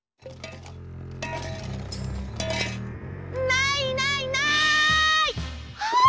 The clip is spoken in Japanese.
ないないない！